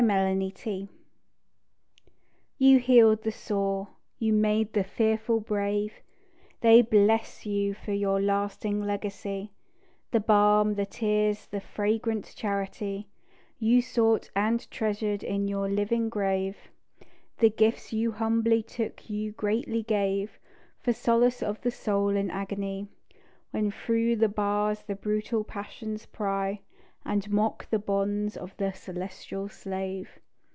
DOSTOYEVSKY You healed the sore, you made the fearful brave, They bless you for your lasting legacy; The balm, the tears, the fragrant charity You sought and treasured in your living grave. The gifts you humbly took you greatly gave, For solace of the soul in agony, When through the bars the brutal passions pry, And mock the bonds of the celestial slave.